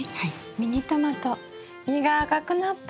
ミニトマト実が赤くなったんですよ。